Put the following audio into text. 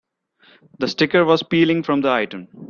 The sticker was peeling from the item.